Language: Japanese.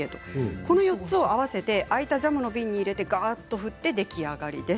この４つを合わせて空いたジャムの瓶に入れて振って出来上がりです。